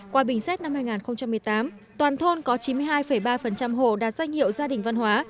qua bình xét năm hai nghìn một mươi tám toàn thôn có chín mươi hai ba hộ đạt danh hiệu gia đình văn hóa